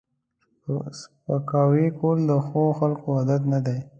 سپکاوی کول د ښو خلکو عادت نه دی